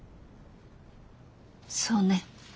そうね。